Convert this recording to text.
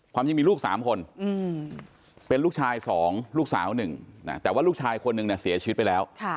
ความจริงมีลูกสามคนเป็นลูกชายสองลูกสาวหนึ่งแต่ว่าลูกชายคนหนึ่งเสียชีวิตไปแล้ว